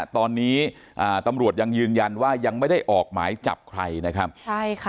ตอนนี้ตำรวจยังยืนยันว่ายังไม่ได้ออกหมายจับใครนะครับใช่ค่ะ